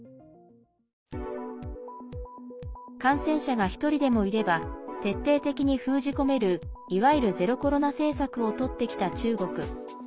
感染者が一人でもいれば徹底的に封じ込めるいわゆる、ゼロコロナ政策をとってきた中国。